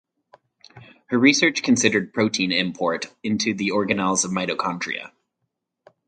Her research considered protein import into the organelles of mitochondria.